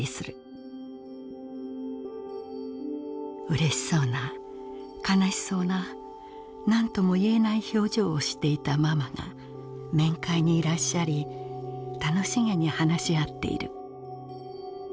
「嬉しそうな悲しそうな何とも言えない表情をしていたママが面会にいらっしゃり楽しげに話しあっている」。